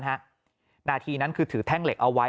นาทีนั้นคือถือแท่งเหล็กเอาไว้